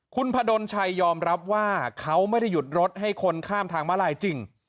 คุณพดลชัยยอมรับว่าเขาไม่ได้หยุดรถให้คนข้ามทางมาลายจริง